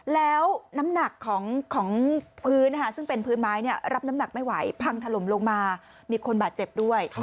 แล้วน้ำหนักของพื้นซึ่งเป็นพื้นไม้รับน้ำหนักไม่ไหวพังถล่มลงมามีคนบาดเจ็บด้วย